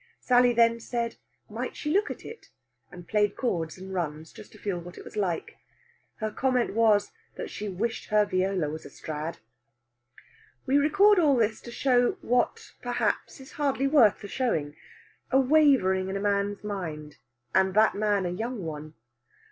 Sally then said, might she look at it? and played chords and runs, just to feel what it was like. Her comment was that she wished her viola was a Strad. We record all this to show what, perhaps, is hardly worth the showing a wavering in a man's mind, and that man a young one.